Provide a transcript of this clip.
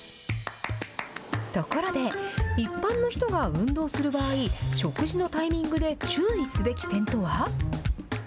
ところで、一般の人が運動する場合、食事のタイミングで注意すべき点とは？